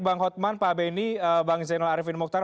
bang hotman pak benny bang zainal arifin mukhtar